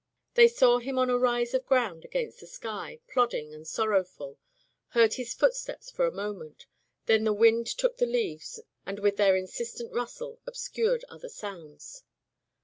They saw him on a rise of ground against the sky, plodding and sorrowful, heard his footsteps for a moment; then the wind took the leaves and with their insistent rusde ob scured other sounds.